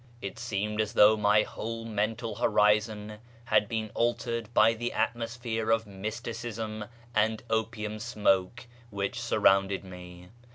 It seemed as though my whole mental horizon had been altered by the atmosphere of mysticism and opium smoke which sur rounded me.